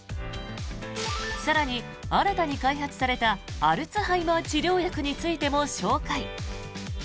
更に、新たに開発されたアルツハイマー治療薬についても紹介。